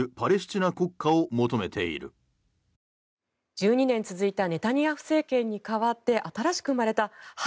１２年続いたネタニヤフ政権に代わって新しく生まれた８